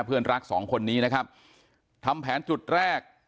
เพื่อนรักสองคนนี้นะครับทำแผนจุดแรก